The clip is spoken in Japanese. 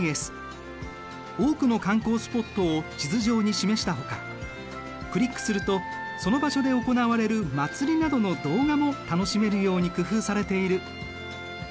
多くの観光スポットを地図上に示したほかクリックするとその場所で行われる祭りなどの動画も楽しめるように工夫されている。